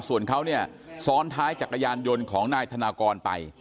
ส่วนเขาเนี่ยซ้อนท้ายจักรยานยนต์ของนายธนากรไป